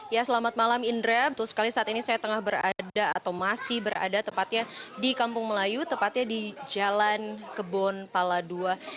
ya selamat malam indra betul sekali saat ini saya tengah berada atau masih berada tepatnya di kampung melayu tepatnya di jalan kebon pala ii